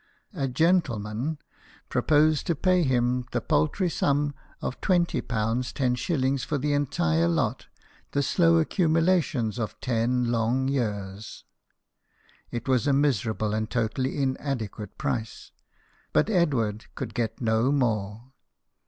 A gentleman proposed to pay him the paltry sum of 20 los. for the i8o BIOGRAPHIES OF WORKING MEN. entire lot, the slow accumulations of ten long years. It was a miserable and totally inade quate price, but Edward could get no more.